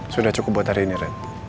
sudah cukup buat hari ini red